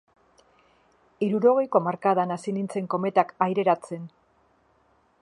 Hirurogeiko hamarkadan hasi nintzen kometak aireratzen.